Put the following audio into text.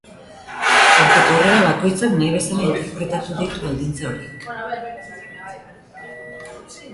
Hortik aurrera bakoitzak nahi bezala interpretatu ditu baldintza horiek.